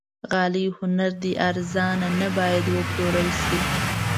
غالۍ هنر دی، ارزانه نه باید وپلورل شي.